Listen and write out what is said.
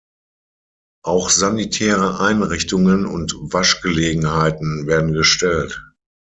Auch sanitäre Einrichtungen und Waschgelegenheiten werden gestellt.